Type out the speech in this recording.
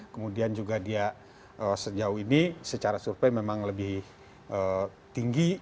kemudian juga dia sejauh ini secara survei memang lebih tinggi